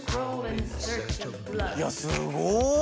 いやすごっ！